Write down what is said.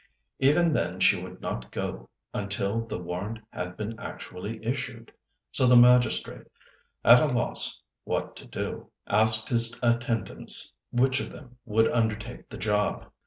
Even then she would not go until the warrant had been actually issued; so the magistrate, at a loss what to do, asked his attendants which of them would undertake the job.